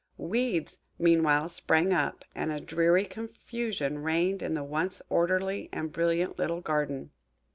Weeds meanwhile sprang up, and a dreary confusion reigned in the once orderly and brilliant little garden.